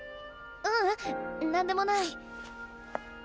ううん何でもない。